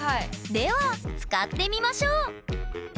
では使ってみましょう！